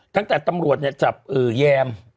ตั้งแต่ตำรวจเนี่ยจับแยม